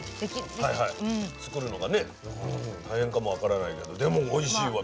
作るのがね大変かもわからないけどでもおいしいわ。